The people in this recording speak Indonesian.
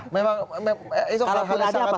kalaupun ada apa salah